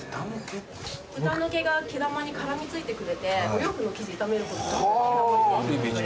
豚の毛が毛玉に絡み付いてくれてお洋服の生地傷めることなく。